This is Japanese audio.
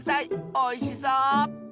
おいしそう！